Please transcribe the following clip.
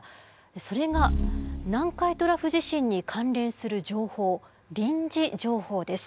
それが南海トラフ地震に関連する情報臨時情報です。